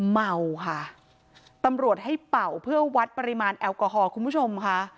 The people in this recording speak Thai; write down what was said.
เมาค่ะตำรวจให้เป่าเพื่อวัดปริมาณแอลกอฮอล์คุณผู้ชมค่ะ